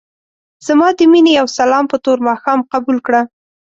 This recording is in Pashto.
ځما دې مينې يو سلام په تور ماښام قبول کړه.